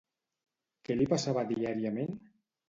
Què li passava diàriament?